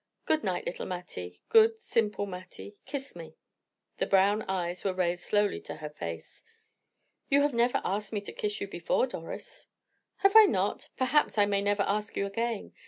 "Good night, little Mattie good, simple Mattie. Kiss me." The brown eyes were raised slowly to her face. "You have never asked me to kiss you before, Doris." "Have I not? Perhaps I never may ask you again.